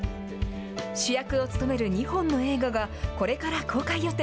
主役を務める２本の映画が、これから公開予定。